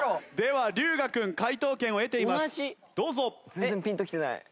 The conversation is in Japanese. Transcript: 全然ピンときてない。